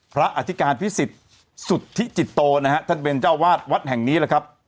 พระอธิการภิกษิสุทธิจิตโตนะฮะท่านเบนเจ้าวาดวัดแห่งนี้นะครับ